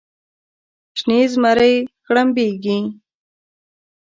شنې زمرۍ غړمبیږې